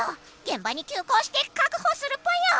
現場に急行してかくほするぽよ！